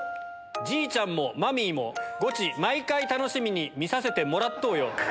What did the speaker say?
じいちゃんもマミーも、ゴチ毎回楽しみに見させてもらっとうよ。